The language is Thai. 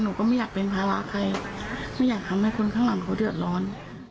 ก็ไม่อยากเป็นภาระใครไม่อยากทำให้คนข้างหลังเขาเดือดร้อน